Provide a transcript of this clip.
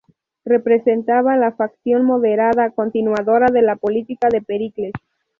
Representaba la facción moderada, continuadora de la política de Pericles.